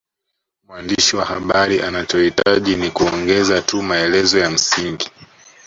Mwandishi wa habari anachohitaji ni kuongeza tu maelezo ya msingi